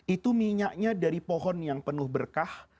itu minyaknya dari pohon yang penuh berkah